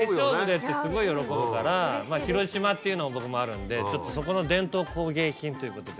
まぁ広島っていうのも僕もあるんでちょっとそこの伝統工芸品ということで。